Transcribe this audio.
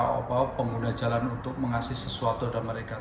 apa apa pengguna jalan untuk mengasih sesuatu kepada mereka